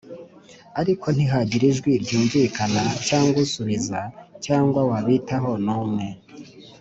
ariko ntihagira ijwi ryumvikana cyangwa usubiza cyangwa wabitaho n’umwe